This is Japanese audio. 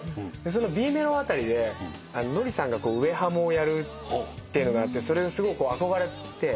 そのＢメロ辺りでノリさんが上ハモをやるっていうのがあってすごく憧れて。